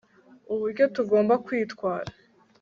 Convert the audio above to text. uburyo tugomba kwitwara